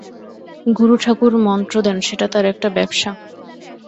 গুরুঠাকুর মন্ত্র দেন, সেটা তার একটা ব্যবসা।